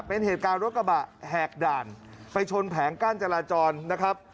เป็นเหตุการณ์รถกระบะแหกด่านไปชนแผงกั้นจราจรนะครับ